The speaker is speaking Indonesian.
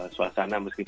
suasana meskipun ya